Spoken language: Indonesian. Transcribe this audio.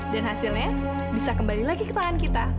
dan hasilnya bisa kembali lagi ke tangan kita